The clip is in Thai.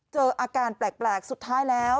อาการแปลกสุดท้ายแล้ว